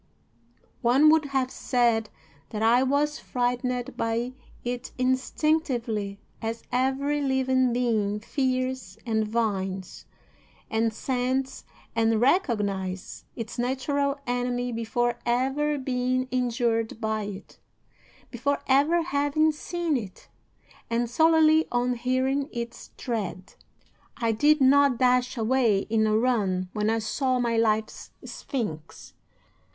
One would have said that I was frightened by it instinctively, as every living being fears and divines, and scents and recognizes, its natural enemy before ever being injured by it, before ever having seen it, and solely on hearing its tread. "'I did not dash away in a run when I saw my life's sphinx.